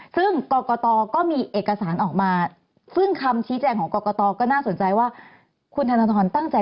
ซึ่งกรกตก็มีเอกสารออกมาซึ่งคำชี้แจงของกรกตก็น่าสนใจว่าคุณธนทรตั้งใจ